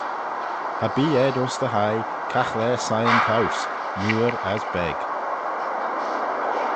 Cha bee ayd ayns dty hie caghlaa siyn-towse, mooar as beg.